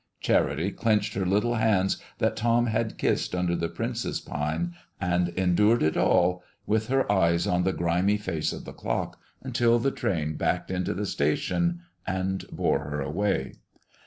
Charity clenched her little hands that Tom had kissed under the princess pine and endured it all, with her eyes on the grimy face of the clock, until the train backed into the station and bore her away.